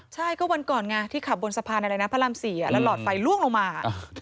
ใช่ก็วันก่อนไงที่ขับบนสะพานอะไรนะพระราม๔แล้วหลอดไฟล่วงลงมา